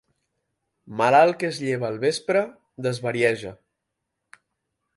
Malalt que es lleva al vespre, desvarieja.